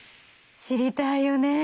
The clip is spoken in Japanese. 知りたいよね。